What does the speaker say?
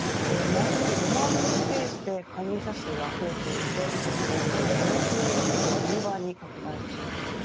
毎月５万人のペースで加入者数が増えていてこの５、６年で規模は１０倍に拡大しています。